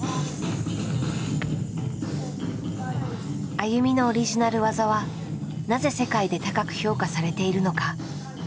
ＡＹＵＭＩのオリジナル技はなぜ世界で高く評価されているのか。